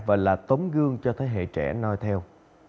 và là tấm gương cho thế hệ trẻ nói theo